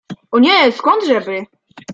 — O nie… skądże by!